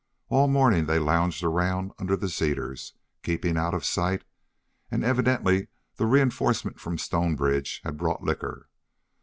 All morning they lounged around under the cedars, keeping out of sight, and evidently the reinforcement from Stonebridge had brought liquor.